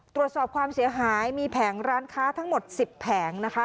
ตรวจสอบความเสียหายมีแผงร้านค้าทั้งหมด๑๐แผงนะคะ